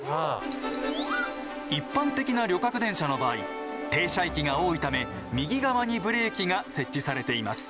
一般的な旅客電車の場合停車駅が多いため右側にブレーキが設置されています。